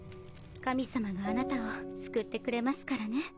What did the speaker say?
神様があなたを救ってくれますからね